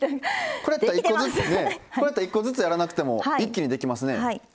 これやったら１個ずつやらなくても一気にできますね。